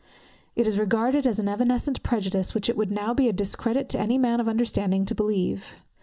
It is regarded as an evanescent prejudice, which it would now be a discredit to any man of understanding to believe.